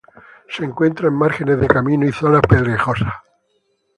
Se encuentra en márgenes de caminos y zonas pedregosas.